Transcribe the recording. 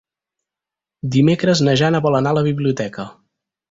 Dimecres na Jana vol anar a la biblioteca.